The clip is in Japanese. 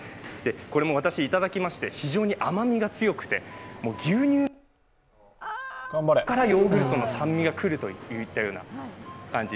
これも私、いただきまして、非常に甘みが強くて、牛乳ヨーグルトの酸味が来るといった感じ。